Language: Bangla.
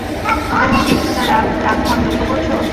ওদের মধ্যে কিছুটা রাগ-রাগ ভাব লক্ষ্য করছো?